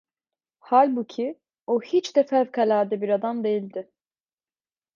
Halbuki o hiç de fevkalade bir adam değildi.